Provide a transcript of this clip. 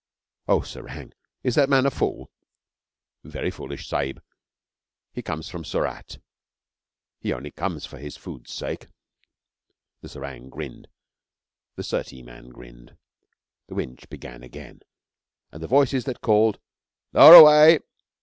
'O Serang, is that man a fool?' 'Very foolish, sahib. He comes from Surat. He only comes for his food's sake.' The serang grinned; the Surtee man grinned; the winch began again, and the voices that called: 'Lower away!